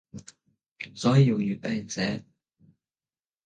所以用粵拼寫